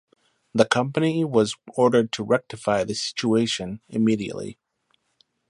The company was ordered to rectify the situation immediately.